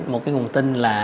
một cái nguồn tin là